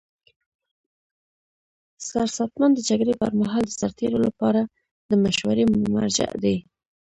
سرساتنمن د جګړې پر مهال د سرتیرو لپاره د مشورې مرجع دی.